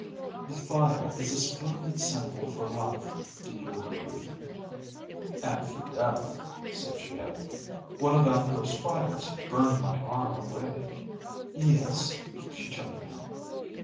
"The fire is a splendid symbol for life, do you agree?" "And for death," said Geo. "One of Aptor's fires burned my arm away." "Yes," she turned now.